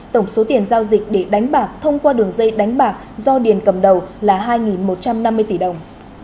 tổng số tiền giao dịch để đánh bạc thông qua đường dây đánh bạc do điền cầm đầu là hai một trăm năm mươi tỷ đồng